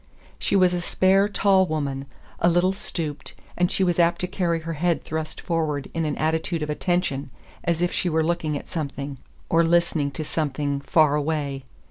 She was a spare, tall woman, a little stooped, and she was apt to carry her head thrust forward in an attitude of attention, as if she were looking at something, or listening to something, far away.